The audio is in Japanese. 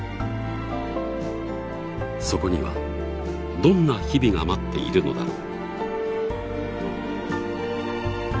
そこにはどんな日々が待っているのだろう。